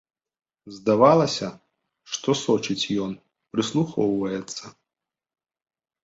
Здавалася, што сочыць ён, прыслухоўваецца.